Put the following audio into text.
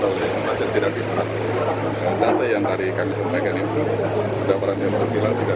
informasi yang tidak disampaikan data yang tadi kami sampaikan itu sudah berani untuk hilal juga